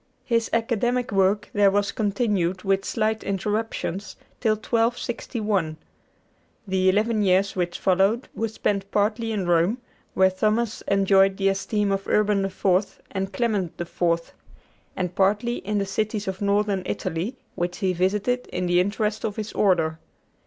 His academic work there was continued, with slight interruptions, till 1261. The eleven years which followed were spent partly in Rome, where Thomas enjoyed the esteem of Urban IV. and Clement IV., and partly in the cities of Northern Italy, which he visited in the interest of his Order.